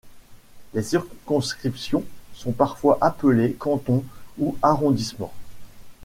Les circonscriptions sont parfois appelées cantons ou arrondissements.